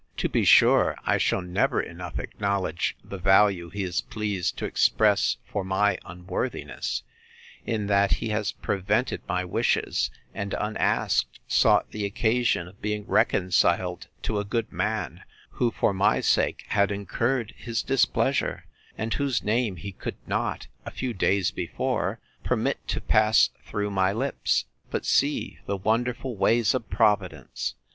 To be sure, I shall never enough acknowledge the value he is pleased to express for my unworthiness, in that he has prevented my wishes, and, unasked, sought the occasion of being reconciled to a good man, who, for my sake, had incurred his displeasure; and whose name he could not, a few days before, permit to pass through my lips! But see the wonderful ways of Providence!